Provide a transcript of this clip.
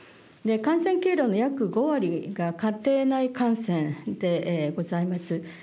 感染経路の約５割が家庭内感染でございます。